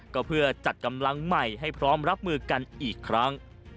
ก็เพื่อจัดกำลังใหม่ให้พร้อมรับมือกันอีกครั้ง